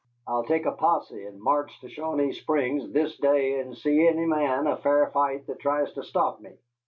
I'll take a posse and march to Shawanee Springs this day, and see any man a fair fight that tries to stop me."